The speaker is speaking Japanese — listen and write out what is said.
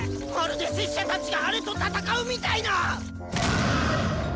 まるで拙者たちがアレと戦うみたいな！